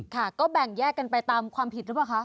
ค่ะก็แบ่งแยกกันไปตามความผิดหรือเปล่าคะ